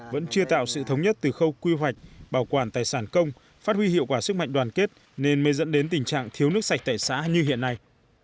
vẫn chưa tạo sự thống nhất từ khâu quy hoạch bảo quản tài sản công phát huy hiệu quả sức mạnh đoàn kết nên mới dẫn đến tình trạng thiếu nước sạch tại xã như hiện nay